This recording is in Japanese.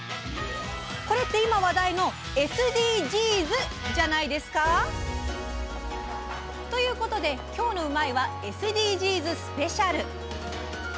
これって今話題のＳＤＧｓじゃないですか？ということで今日の「うまいッ！」は「ＳＤＧｓスペシャル」！